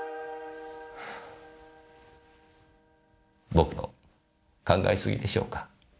僕の考えすぎでしょうか？